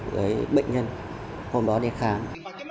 với bệnh nhân hôm đó đi khám